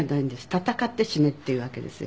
「戦って死ね」って言うわけですよ。